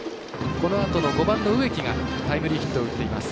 このあとの５番の植木がタイムリーヒットを打っています。